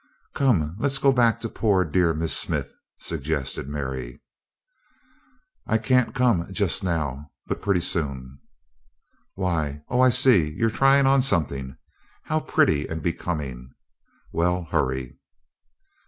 "Come, let's go back to poor, dear Miss Smith," suggested Mary. "I can't come just now but pretty soon." "Why? Oh, I see; you're trying on something how pretty and becoming! Well, hurry."